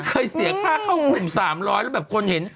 เสียค่าเข้ากลุ่ม๓๐๐แล้วแบบคนเห็น